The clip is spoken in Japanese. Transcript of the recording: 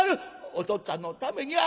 おとっつぁんのためにあ